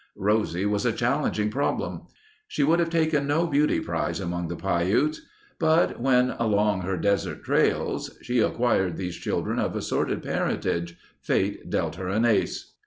Rosie was a challenging problem. She would have taken no beauty prize among the Piutes, but when along her desert trails she acquired these children of assorted parentage, Fate dealt her an ace.